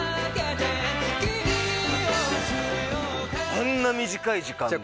あんな短い時間で。